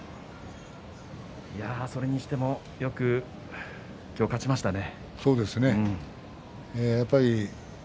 それにしてもよく今日、勝ちましたね。